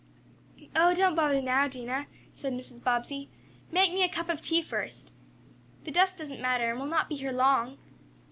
"Oh, don't bother now, Dinah," said Mrs. Bobbsey. "Make a cup of tea, first. The dust doesn't matter, and we'll not be here long."